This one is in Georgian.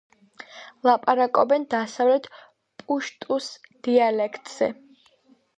ლაპარაკობენ დასავლეთ პუშტუს დიალექტზე.